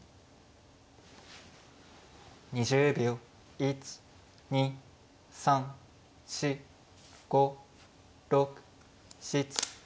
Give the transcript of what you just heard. １２３４５６７。